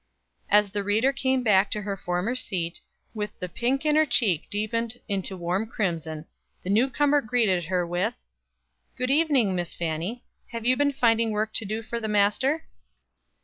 As the reader came back to her former seat, with the pink on her cheek deepened into warm crimson, the new comer greeted her with "Good evening, Miss Fannie. Have you been finding work to do for the Master?"